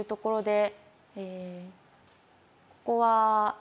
えここは。